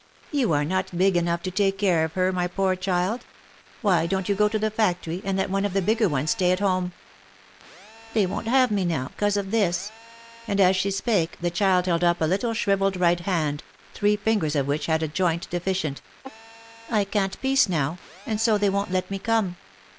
" You are not big enough to take care of her, my poor child. Why don't you go to the factory, and let one of the bigger ones stay at home ?" 128 THE LIFE AND ADVENTURES " They won't have me now, 'cause of this."— And as she spake, the child held up a little shrivelled right hand, three ringers of which had a joint deficient. " I can't piece now, and so they won't let me come."